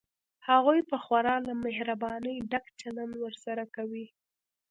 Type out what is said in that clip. هغوی به خورا له مهربانۍ ډک چلند ورسره کوي.